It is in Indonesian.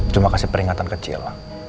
cuma kasih peringatan kecil